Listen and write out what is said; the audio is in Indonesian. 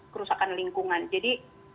kerusakan lingkungan jadi